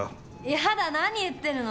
嫌だ、何言ってるの。